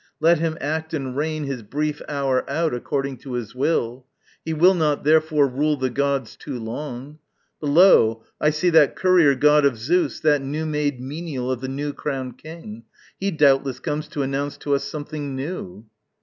Let him act and reign His brief hour out according to his will He will not, therefore, rule the gods too long. But lo! I see that courier god of Zeus, That new made menial of the new crowned king: He doubtless comes to announce to us something new.